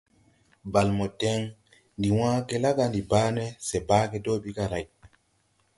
Bale mo deŋ ndi wãã ge la ga ndi baa ne, se baa ge do ɓi ga lay.